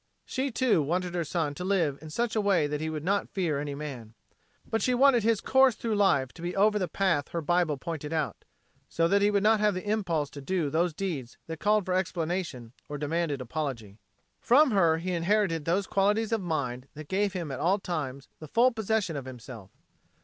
She, too, wanted her son to live in such a way that he would not fear any man. But she wanted his course through life to be over the path her Bible pointed out, so that he would not have the impulse to do those deeds that called for explanation or demanded apology. From her he inherited those qualities of mind that gave him at all times the full possession of himself.